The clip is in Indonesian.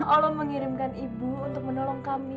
allah mengirimkan ibu untuk menolong kami